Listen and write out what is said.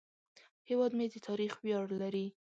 هیواد مې د تاریخ ویاړ لري